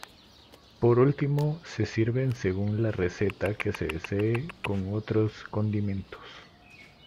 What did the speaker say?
Por último se sirven según la receta que se desee con otros condimentos.